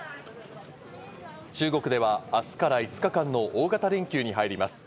中国では明日から５日間の大型連休に入ります。